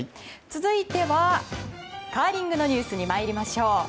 続いてはカーリングのニュースに参りましょう。